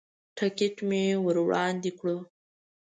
ټکټ مې ور وړاندې کړو.